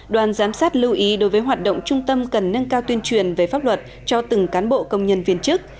đoàn giám sát lưu ý đối với hoạt động trung tâm cần nâng cao tuyên truyền về pháp luật cho từng cán bộ công nhân viên chức